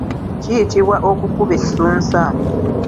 Kiyitibwa okukuba essunsa.